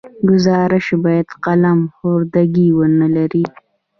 ګزارش باید قلم خوردګي ونه لري.